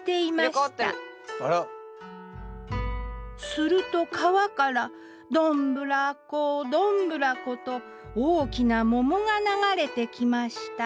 すると川から「どんぶらこどんぶらこ」と大きな桃が流れてきました。